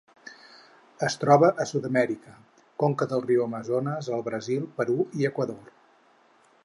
Es troba a Sud-amèrica: conca del riu Amazones al Brasil, Perú i Equador.